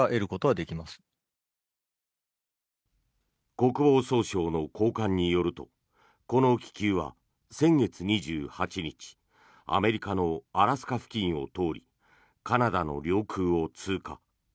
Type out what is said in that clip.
国防総省の高官によるとこの気球は先月２８日アメリカのアラスカ付近を通りカナダの領空を通過。